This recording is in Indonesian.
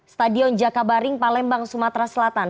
stadion jakabaring palembang sumatera selatan